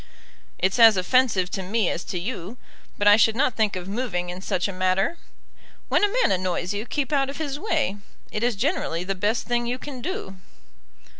"It's as offensive to me as to you, but I should not think of moving in such a matter. When a man annoys you, keep out of his way. It is generally the best thing you can do."